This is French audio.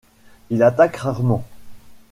Il attaque rarement.